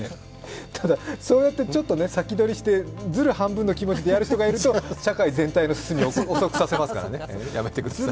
ただ、そうやってちょっと先取りして、ずる半分くらいの気持ちでやると社会全体の進みを遅くさせますから、やめてください。